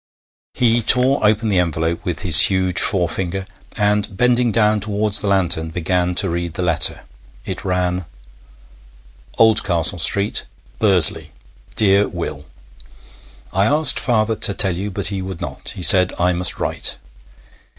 He tore open the envelope with his huge forefinger, and, bending down towards the lantern, began to read the letter. It ran: 'OLDCASTLE STREET, 'BURSLEY. 'DEAR WILL, 'I asked father to tell you, but he would not. He said I must write.